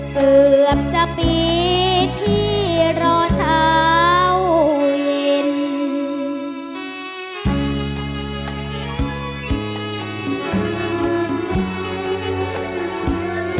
เกือบจะปีที่รอเช้าเย็น